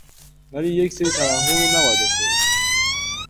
ولی یکسری توهم رو نباید داشته باشیم.